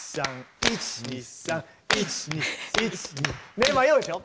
ねえ迷うでしょ？